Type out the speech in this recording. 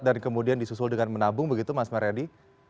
dan kemudian disusul dengan menabung begitu mas mareddy